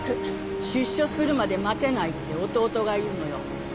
出所するまで待てないって弟が言うのよ。